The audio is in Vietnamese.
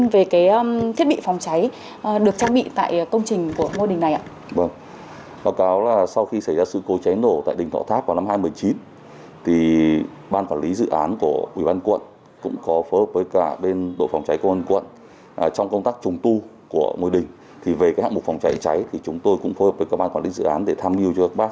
vâng chào đồng chí đồng chí có thông tin về thiết bị phòng cháy được trang bị tại công trình của ngôi đình này ạ